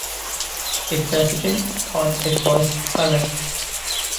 The President thought it was correct.